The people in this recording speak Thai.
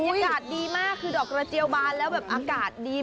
อากาศดีมากคือดอกกระเจียวบานแล้วแบบอากาศดี